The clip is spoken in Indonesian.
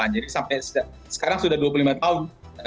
jadi sampai sekarang sudah dua puluh lima tahun